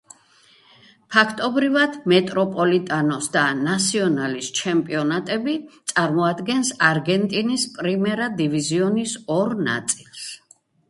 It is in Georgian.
ფაქტობრივად, მეტროპოლიტანოს და ნასიონალის ჩემპიონატები წარმოადგენს არგენტინის პრიმერა დივიზიონის ორ ნაწილს.